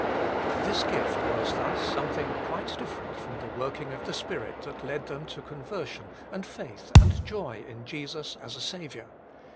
1 This gift was thus something quite different from the working of the Spirit that led them to conversion and faith and joy in Jesus as a Saviour.